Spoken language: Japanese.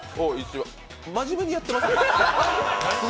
真面目にやってます？